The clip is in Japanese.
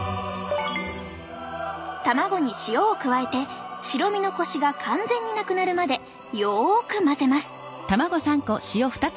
卵に塩を加えて白身のこしが完全になくなるまでよく混ぜます。